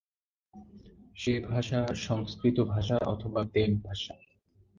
সে-ভাষা সংস্কৃত ভাষা অথবা দেবভাষা।